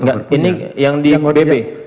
enggak ini yang di bp